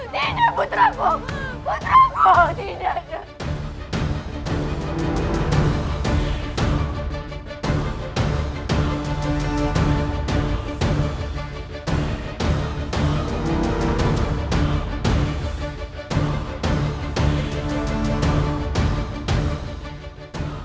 tidak putraku putraku tidak